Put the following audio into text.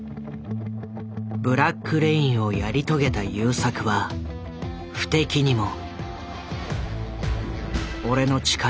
「ブラック・レイン」をやり遂げた優作は不敵にも。